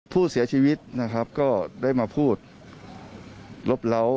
ผู้เสียชีวิตนะครับก็ได้มาพูดลบเล้า